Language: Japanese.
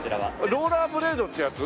ローラーブレードってやつ？